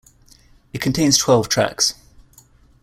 It contains twelve tracks.